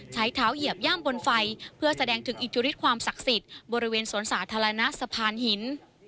ใช้เท้าเหยียบย่ำบนไฟเพื่อแสดงถึงอิทธิฤทธิความศักดิ์สิทธิ์บริเวณสวนสาธารณะสะพานหิน